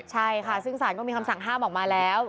ใช่ค่ะซึ่งสารก็มีคำสั่งห้ามออกมาแล้ว